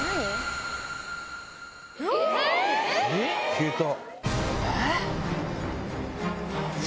消えた！